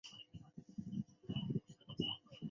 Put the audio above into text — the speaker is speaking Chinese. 大叶杨桐为山茶科杨桐属下的一个种。